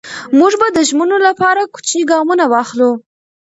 موږ به د ژمنو لپاره کوچني ګامونه واخلو.